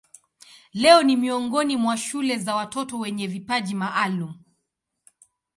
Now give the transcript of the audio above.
Leo ni miongoni mwa shule za watoto wenye vipaji maalumu.